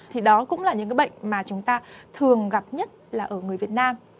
thì đó cũng là những cái bệnh mà chúng ta thường gặp nhất là ở người việt nam